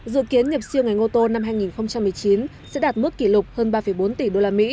dự kiến nhập siêu ngành ô tô năm hai nghìn một mươi chín sẽ đạt mức kỷ lục hơn ba bốn tỷ usd